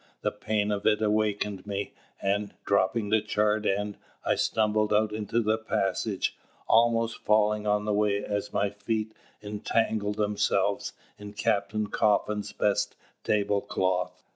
The pain of it awakened me, and, dropping the charred end, I stumbled out into the passage, almost falling on the way as my feet entangled themselves in Captain Coffin's best table cloth.